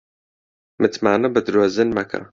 متمانە بە درۆزن مەکە